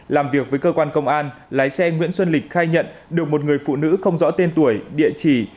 làm việc với cơ quan công an lái xe nguyễn xuân lịch khai nhận được một người phụ nữ không rõ tên tuổi địa chỉ